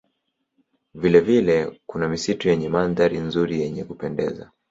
Vilevile kuna misitu yenye mandhari nzuri yenye kupendeza